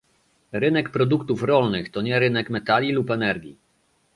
Rynek produktów rolnych to nie rynek metali lub energii